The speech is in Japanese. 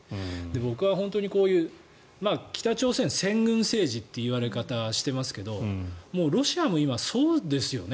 僕は本当にこういう北朝鮮、先軍政治という言われ方をしていますけどもうロシアも今そうですよね。